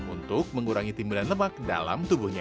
untuk mengurangi timbulan lemak dalam tubuhnya